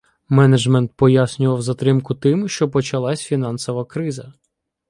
Менеджмент пояснював затримку тим, що почалась фінансова криза.